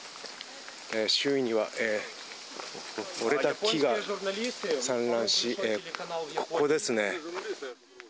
周囲には、折れた木が散乱し、ここですね。